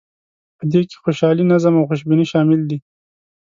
په دې کې خوشحالي، نظم او خوشبیني شامل دي.